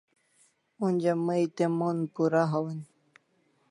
Onja mai te mon pura hawan